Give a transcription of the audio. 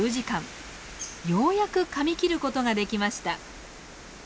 ようやくかみ切る事ができました。